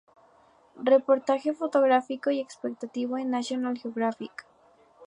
Reportaje fotográfico y explicativo en National Geographic.